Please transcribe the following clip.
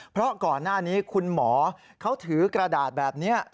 เพราะก่อนหน้านี้คุณหมอเขาถือกระดาษแบบนี้